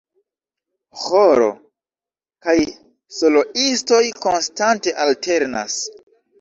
Ĥoro kaj soloistoj konstante alternas.